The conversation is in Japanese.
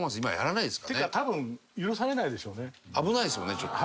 危ないですもんねちょっと。